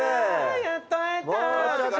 やっと会えた。